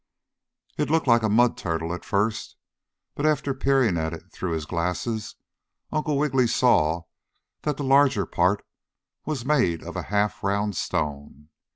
It looked like a mud turtle at first, but after peering at it through his glasses Uncle Wiggily saw that the larger part was made of a half round stone.